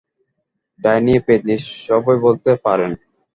ডাইনি, পেত্নী সবই বলতে পারেন।